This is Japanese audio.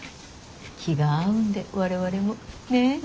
気が合うんで我々も。ねぇ？